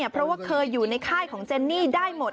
เพราะว่าเคยอยู่ในค่ายของเจนนี่ได้หมด